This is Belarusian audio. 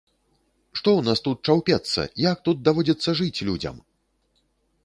Што ў нас тут чаўпецца, як тут даводзіцца жыць людзям!